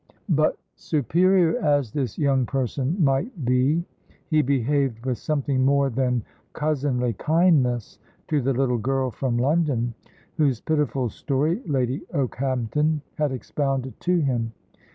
But, superior as this young person might be, he behaved with something more than cousinly kindness to the little girl from London, whose pitiful story Lady Okehampton had expounded to him.